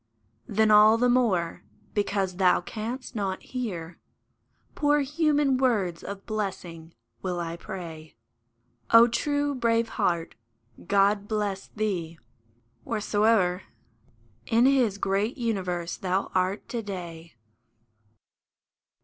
Then all the more, because thou canst not hear Poor human words of blessing, will I pray, O true, brave heart ! God bless thee, whereso'er In His great universe thou art to day